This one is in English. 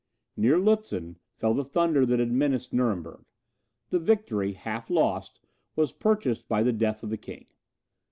Near Lutzen fell the thunder that had menaced Nuremberg; the victory, half lost, was purchased by the death of the king.